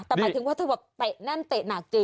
แต่หมายถึงว่าเธอแบบเตะแน่นเตะหนักจริง